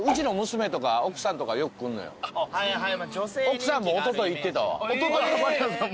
奥さんもおととい行ってたわ。